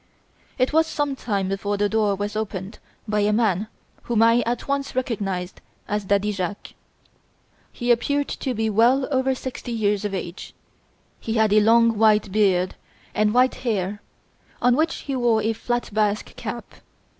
It was some time before the door was opened by a man whom I at once recognised as Daddy Jacques. He appeared to be well over sixty years of age. He had a long white beard and white hair, on which he wore a flat Basque cap.